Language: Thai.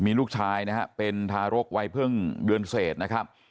มีลูกชายนะฮะเป็นทารกวัยเพิ่งเดือนเศษนะครับ